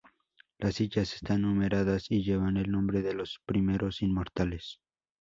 Las sillas están numeradas y llevan el nombre de los primeros inmortales.